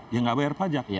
dia nggak bayar pajak